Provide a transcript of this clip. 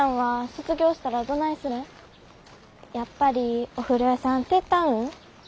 やっぱりお風呂屋さん手伝うん？